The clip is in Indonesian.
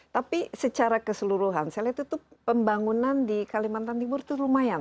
tapi secara keseluruhan saya lihat itu pembangunan di kalimantan timur itu lumayan